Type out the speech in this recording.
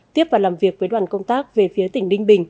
tiếp và làm việc với đoàn công tác về phía tỉnh ninh bình